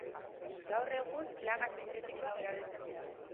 Gaur egun, laka sintetikoak erabiltzen dira.